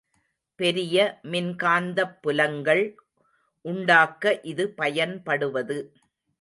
பெரிய மின்காந்தப் புலங்கள் உண்டாக்க இது பயன்படுவது.